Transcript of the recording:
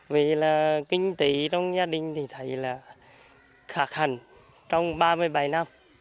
vì là kinh tế trong gia đình thì thấy là khá khăn trong ba mươi bảy năm